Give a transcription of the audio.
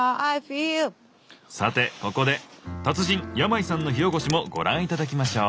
さてここで達人・山井さんの火おこしもご覧頂きましょう。